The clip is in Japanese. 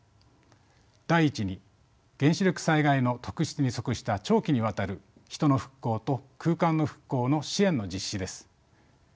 第１に原子力災害の特質に即した長期にわたる人の復興と空間の復興の支援の実施です。